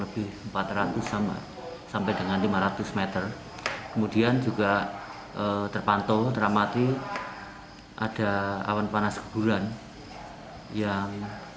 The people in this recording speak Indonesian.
lebih empat ratus sama sampai dengan lima ratus m kemudian juga terpantau dramati ada awan panas guguran yang